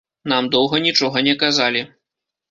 Нам доўга нічога не казалі.